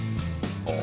お。